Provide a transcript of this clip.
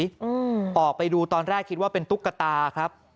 อืมออกไปดูตอนแรกคิดว่าเป็นตุ๊กตาครับ